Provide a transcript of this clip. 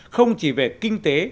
không chỉ về kinh tế